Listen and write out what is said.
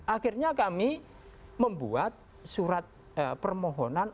akhirnya kami membuat surat permohonan